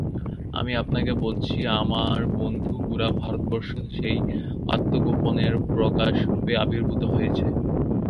আমি আপনাকে বলছি, আমার বন্ধু গোরা ভারতবর্ষের সেই আত্মবোধের প্রকাশ রূপে আবির্ভূত হয়েছে।